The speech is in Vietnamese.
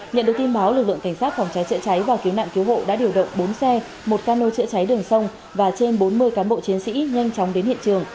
nhận được tin báo lực lượng cảnh sát phòng cháy chữa cháy và cứu nạn cứu hộ đã điều động bốn xe một cano chữa cháy đường sông và trên bốn mươi cán bộ chiến sĩ nhanh chóng đến hiện trường